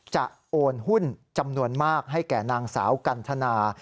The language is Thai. โอนหุ้นจำนวนมากให้แก่นางสาวกันทนา